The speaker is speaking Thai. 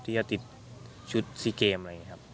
ที่จะติดชุดซีเกมอะไรอย่างนี้ครับ